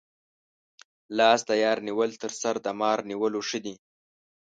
لاس د یار نیول تر سر د مار نیولو ښه دي.